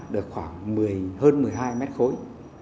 được khoảng hơn một mươi hai m khối